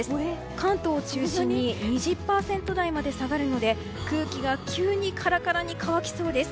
関東を中心に２０％台まで下がるので空気が急にカラカラに乾きそうです。